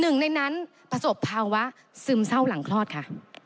หนึ่งในนั้นประสบภาวะซึมเศร้าหลังคลอดค่ะ